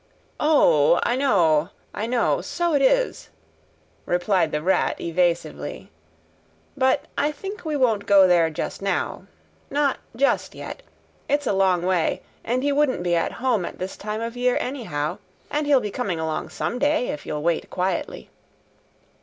"O, I know, I know, so it is," replied the Rat evasively. "But I think we won't go there just now. Not just yet. It's a long way, and he wouldn't be at home at this time of year anyhow, and he'll be coming along some day, if you'll wait quietly."